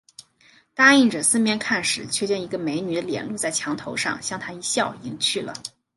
答应着，四面看时，却见一个美女的脸露在墙头上，向他一笑，隐去了